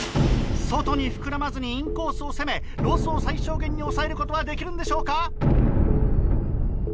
外に膨らまずにインコースを攻めロスを最小限に抑えることはできるんでしょうか？